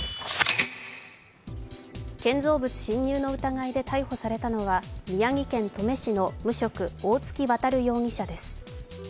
建造物侵入の疑いで逮捕されたのは宮城県登米市の無職、大槻容疑者です。